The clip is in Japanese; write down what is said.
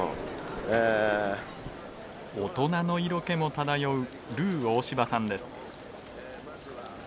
大人の色気も漂うルー大柴さんです。